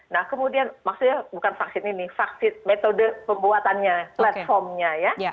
nah kemudian maksudnya bukan vaksin ini vaksin metode pembuatannya platformnya ya